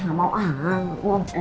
gak mau ah